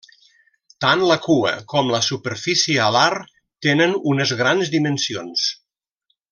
Tant la cua com la superfície alar tenen unes grans dimensions.